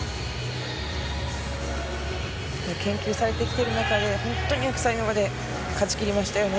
研究されてきている中で本当によく最後まで勝ち切りましたよね。